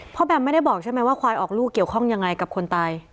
แบมไม่ได้บอกใช่ไหมว่าควายออกลูกเกี่ยวข้องยังไงกับคนตาย